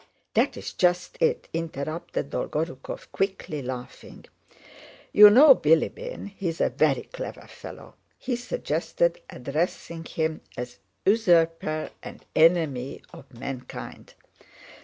"That's just it," interrupted Dolgorúkov quickly, laughing. "You know Bilíbin—he's a very clever fellow. He suggested addressing him as 'Usurper and Enemy of Mankind.